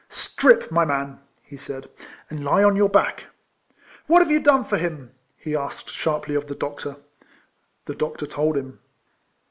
" Strip, my m,an," he said, " and lie on RIFLEMAN HARRIS. 273 your back. What have you done for him ?" he asked sharply of the doctor* The doctor told him.